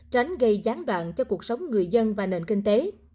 tránh gây gián đoạn cho cuộc sống người dân và nền kinh tế